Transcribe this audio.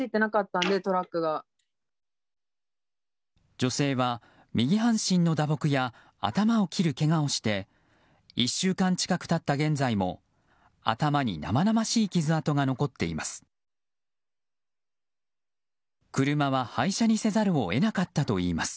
女性は右半身の打撲や頭を切るけがをして１週間近く経った現在も頭に生々しい傷痕が残っています。